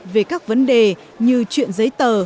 về các vấn đề như chuyện giấy tờ